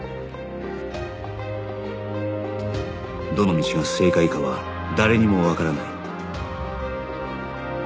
どの道が正解かは誰にもわからない